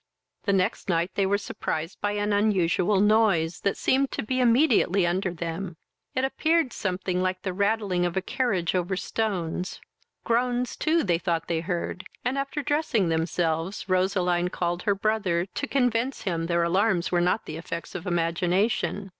The next night they were surprised by an unusual noise, that seemed to be immediately under them. It appeared something like the rattling of a carriage over stones. Groans too they thought they heard; and, after dressing themselves, Roseline called her brother, to convince him their alarms were not the effects of imagination.